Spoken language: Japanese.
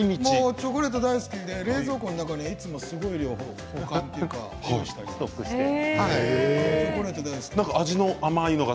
チョコレート大好きで冷蔵庫の中にいつもすごい量保管というかストックしてあります。